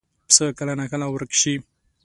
پسه کله ناکله ورک شي.